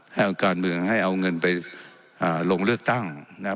ให้เอาการเมืองให้เอาเงินไปลงเลือกตั้งนะครับ